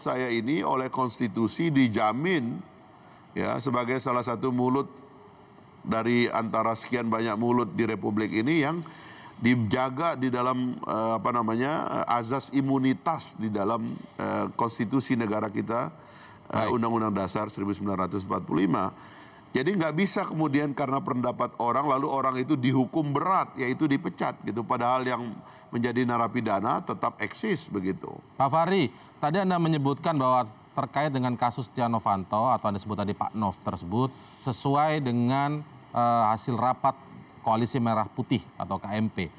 sesuai dengan hasil rapat koalisi merah putih atau kmp